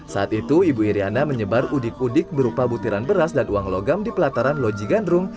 saat itu ibu iryana menyebar udik udik berupa butiran beras dan uang logam di pelataran loji gandrung